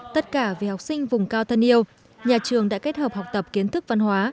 tất cả về học sinh vùng cao thân yêu nhà trường đã kết hợp học tập kiến thức văn hóa